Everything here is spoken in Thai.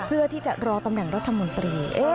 เพื่อที่จะรอตำแหน่งรัฐมนตรี